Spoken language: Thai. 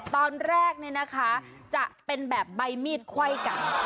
ตอนแรกเนี่ยนะคะจะเป็นแบบใบมีดไขว้กัน